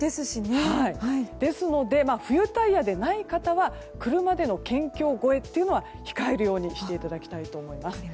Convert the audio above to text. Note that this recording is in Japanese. ですので、冬タイヤでない方は車での県境越えというのは控えるようにしていただきたいと思います。